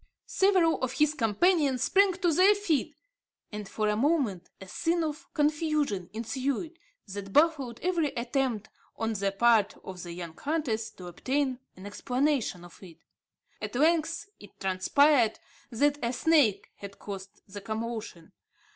Several of his companions sprang to their feet; and, for a moment, a scene of confusion ensued that baffled every attempt on the part of the young hunters to obtain an explanation of it. At length, it transpired that a snake had caused the commotion.